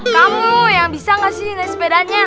kamu yang bisa gak sih naik sepedanya